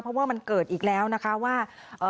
เพราะว่ามันเกิดอีกแล้วนะคะว่า